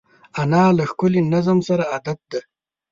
انا له ښکلي نظم سره عادت ده